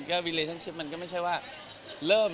ครับแน่นอนครับแน่นอนอยู่อย่างเต็ม